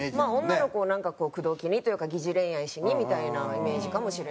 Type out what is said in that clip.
女の子を口説きにというか擬似恋愛しにみたいなイメージかもしれないですね。